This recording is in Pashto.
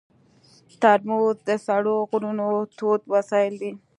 ترموز د سړو غرونو تود وسایل دي.